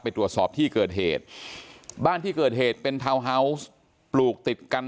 ไปตรวจสอบที่เกิดเหตุบ้านที่เกิดเหตุเป็นทาวน์ฮาวส์ปลูกติดกัน